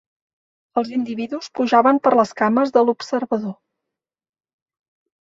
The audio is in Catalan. Els individus pujaven per les cames de l'observador.